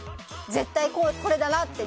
絶対これだなって。